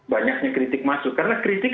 banyaknya kritik masuk karena kritik